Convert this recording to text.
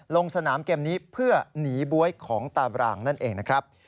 ลงสนามเกมนี้เพื่อหนีบ๊วยของตาบรางนั่นเองนะครับ